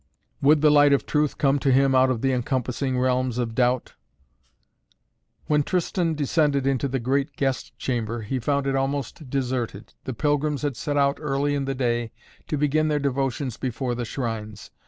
Would the light of Truth come to him out of the encompassing realms of Doubt? When Tristan descended into the great guest chamber he found it almost deserted. The pilgrims had set out early in the day to begin their devotions before the shrines.